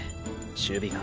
守備が。